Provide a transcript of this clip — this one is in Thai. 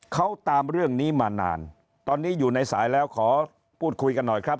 เขาตามเรื่องนี้มานานตอนนี้อยู่ในสายแล้วขอพูดคุยกันหน่อยครับ